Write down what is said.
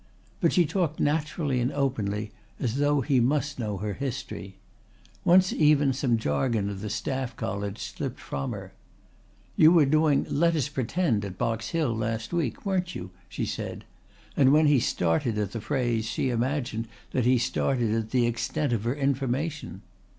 But she talked naturally and openly, as though he must know her history. Once even some jargon of the Staff College slipped from her. "You were doing let us pretend at Box Hill last week, weren't you?" she said, and when he started at the phrase she imagined that he started at the extent of her information.